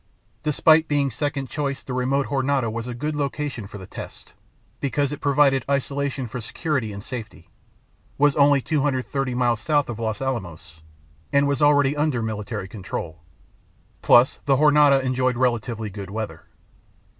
" Despite being second choice the remote Jornada was a good location for the test, because it provided isolation for secrecy and safety, was only 230 miles south of Los Alamos, and was already under military control. Plus, the Jornada enjoyed relatively good weather.